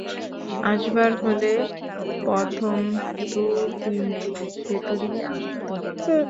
আসবার হলে প্রথম দু-তিন দিনের ভেতরই আসত।